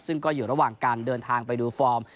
ซึ่งก็อยู่ระหว่างการเดินทางไปดูฟอร์ม